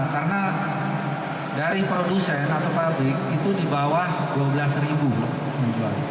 karena dari produsen atau pabrik itu di bawah dua belas ribu menjual